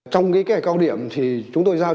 trong cái cao điểm thì chúng tôi giao